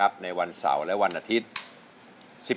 กลับมาติดตามชมร้องได้ให้ล้านลูกทุ่งสู้ชีวิตได้ใหม่นะครับ